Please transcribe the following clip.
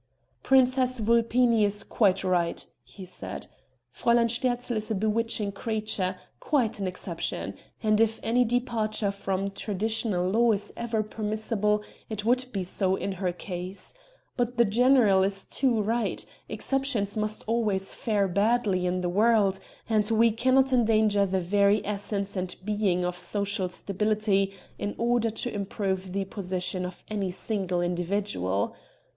"Princess Vulpini is quite right," he said. "Fräulein Sterzl is a bewitching creature, quite an exception and if any departure from traditional law is ever permissible it would be so in her case. But the general too is right; exceptions must always fare badly in the world, and we cannot endanger the very essence and being of social stability in order to improve the position of any single individual.